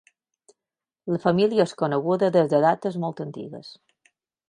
La família és coneguda des de dates molt antigues.